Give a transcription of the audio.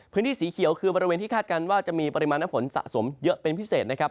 พื้นที่สีเขียวคือบริเวณที่คาดการณ์ว่าจะมีปริมาณน้ำฝนสะสมเยอะเป็นพิเศษนะครับ